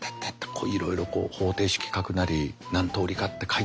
こういろいろ方程式書くなり何通りかって書いたりとか書く人